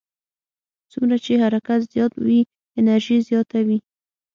څومره چې حرکت زیات وي انرژي زیاته وي.